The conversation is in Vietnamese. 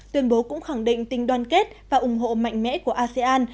tuyên bố cũng khẳng định tình đoàn kết và ủng hộ mạnh mẽ của asean